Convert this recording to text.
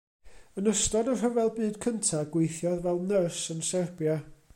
Yn ystod y Rhyfel Byd Cyntaf gweithiodd fel nyrs yn Serbia.